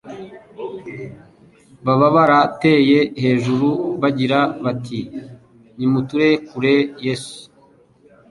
baba barateye hejuru bagira bati : "Nimuturekurire Yesu!"